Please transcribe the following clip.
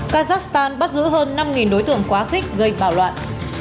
kazakhstan bắt giữ hơn năm đối tượng quá khích gây bạo loạn